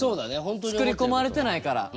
作り込まれてないからある意味。